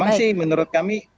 memang sih menurut kami